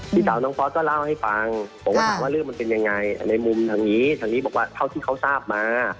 พี่สาวน้องฟอสก็เล่าให้ฟังว่าว่าเรื่องมันเป็นอะไรมุมทางนี้เท่าที่เขาทราบมา